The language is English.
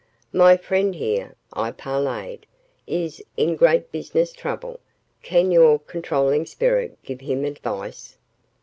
"My friend, here," I parleyed, "is in great business trouble. Can your controlling spirit give him advice?"